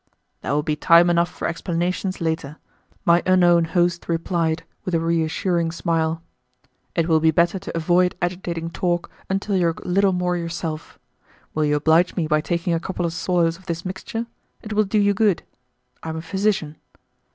"There will be time enough for explanations later," my unknown host replied, with a reassuring smile. "It will be better to avoid agitating talk until you are a little more yourself. Will you oblige me by taking a couple of swallows of this mixture? It will do you good. I am a physician."